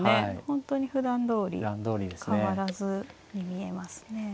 本当にふだんどおり変わらずに見えますね。